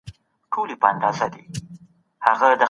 ایا سګریټ خطر لري؟